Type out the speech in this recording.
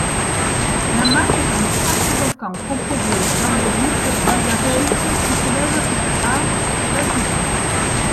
L'Amak est un stratovolcan composé d'andésite basaltique qui s'élève à d'altitude.